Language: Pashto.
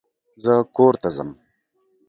زه کورته ځم.